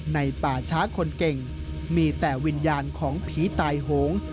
ป่าช้าคนเก่งมีแต่วิญญาณของผีตายโหง